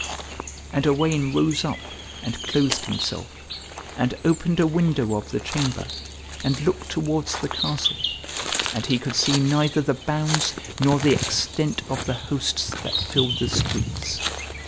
And Owain rose up, and clothed himself, and opened a window of the chamber, and looked towards the castle; and he could see neither the bounds nor the extent of the hosts that filled the streets.